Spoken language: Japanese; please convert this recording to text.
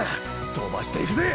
飛ばしていくぜ！